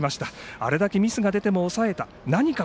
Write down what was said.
あれだけミスが出ても抑えた。